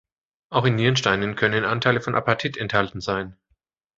Auch in Nierensteinen können Anteile von Apatit enthalten sein.